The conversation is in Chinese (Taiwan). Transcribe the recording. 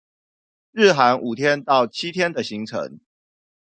日韓五天到七天的行程